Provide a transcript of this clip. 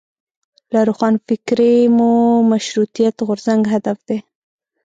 له روښانفکرۍ مو مشروطیت غورځنګ هدف دی.